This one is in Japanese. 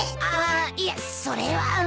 ああいやそれは。